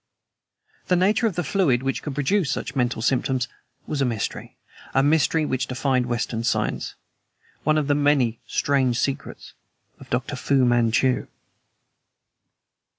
The nature of the fluid which could produce such mental symptoms was a mystery a mystery which defied Western science: one of the many strange secrets of Dr. Fu Manchu.